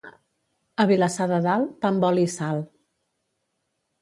A Vilassar de Dalt, pa amb oli i sal.